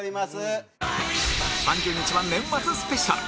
３０日は年末スペシャル